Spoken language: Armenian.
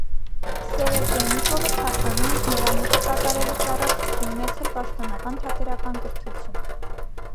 Սերեբրենիկովը թատրոնում իր նորամուտը կատարելուց առաջ չի ունեցել պաշտոնական թատերական կրթություն։